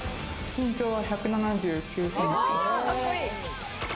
身長は１７９センチです。